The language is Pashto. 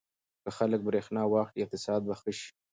که خلک برېښنا واخلي اقتصاد به ښه شي.